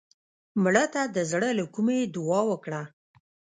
مړه ته د زړه له کومې دعا وکړه